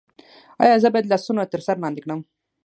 ایا زه باید لاسونه تر سر لاندې کړم؟